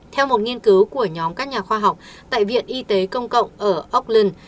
theo một nghiên cứu của nhóm các nhà khoa học tại viện y tế công cộng ở okland